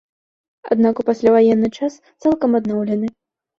Аднак у пасляваенны час цалкам адноўлены.